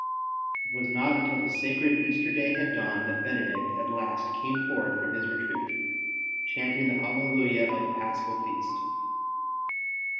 It was not until the sacred Easter day had dawned that Benedict at last came forth from his retreat, chanting the Alleluia of the Paschal feast.